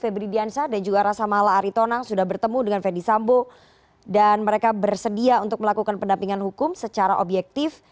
febri diansah dan juga rasa mala aritonang sudah bertemu dengan fendi sambo dan mereka bersedia untuk melakukan pendampingan hukum secara objektif